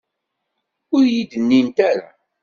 Ur iyi-d-nnint ara.